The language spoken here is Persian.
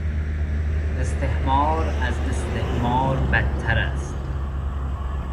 استحمار از استعمار بدتر است